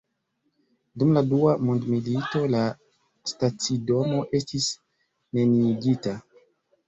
Dum la dua mondmilito la stacidomo estis neniigita.